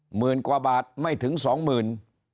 หมื่นกว่าบาทไม่ถึงสองหมื่น